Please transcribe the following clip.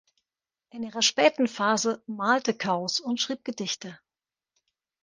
In ihrer späten Phase malte Kaus und schrieb Gedichte.